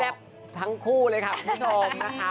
ทั้งคู่เลยค่ะคุณผู้ชมนะคะ